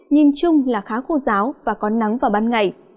nhìn chung là khá khô giáo và có nắng vào ban ngày